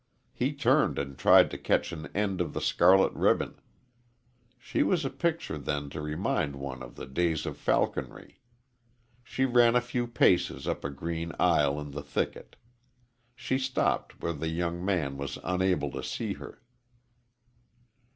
He turned and tried to catch an end of the scarlet ribbon. She was a picture then to remind one of the days of falconry. She ran a few paces up a green aisle in the thicket. She stopped where the young man was unable to see her.